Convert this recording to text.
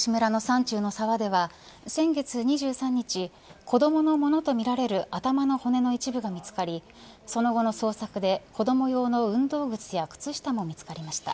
道志村の山中の沢では先月２３日子どものものとみられる頭の骨の一部が見つかりその後の捜索で子ども用の運動靴や靴下も見つかりました。